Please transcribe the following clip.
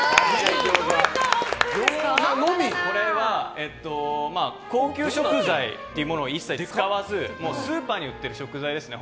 これは高級食材を一切使わずスーパーに売ってる食材ですね